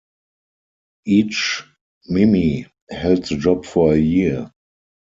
Each "Mimi" held the job for a year.